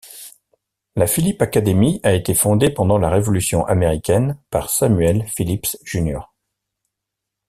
La Phillips Academy a été fondée pendant la Révolution américaine par Samuel Phillips Jr.